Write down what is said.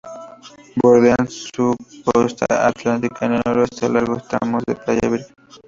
Bordean su costa atlántica en el noroeste largos tramos de playa virgen.